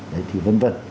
đấy thì vân vân